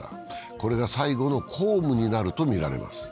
これが最後の公務になるとみられます。